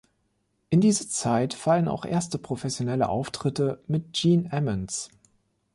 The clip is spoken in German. In diese Zeit fallen auch erste professionelle Auftritte mit Gene Ammons.